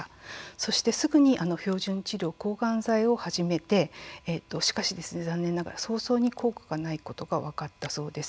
そして、すぐに標準治療抗がん剤治療を始めてしかし、早々に残念ながら効果がないことが分かったそうです。